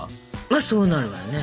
まあそうなるわね。